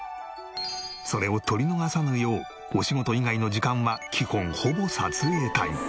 それを撮り逃さぬようお仕事以外の時間は基本ほぼ撮影タイム。